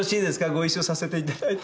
ご一緒させていただいて。